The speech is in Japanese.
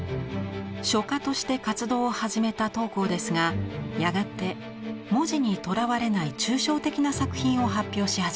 書家として活動を始めた桃紅ですがやがて文字にとらわれない抽象的な作品を発表し始めます。